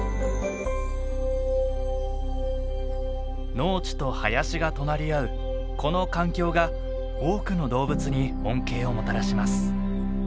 農地と林が隣り合うこの環境が多くの動物に恩恵をもたらします。